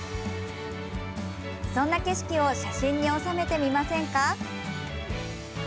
そんな景色を写真に収めてみませんか？